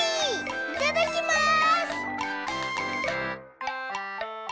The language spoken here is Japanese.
いただきます！